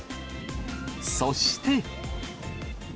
そして。